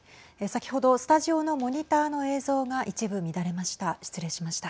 先ほどスタジオのモニターの映像が一部乱れました。